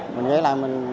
mình ghé lại